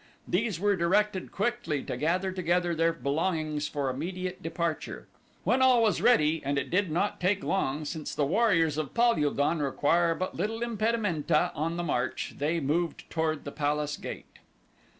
These were directed quickly to gather together their belongings for immediate departure. When all was ready, and it did not take long, since the warriors of Pal ul don require but little impedimenta on the march, they moved toward the palace gate.